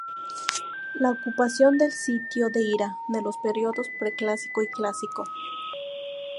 La ocupación del sitio data de los periodos preclásico y clásico.